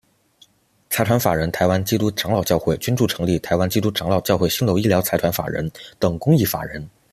财团法人台湾基督长老教会捐助成立台湾基督长老教会新楼医疗财团法人等公益法人。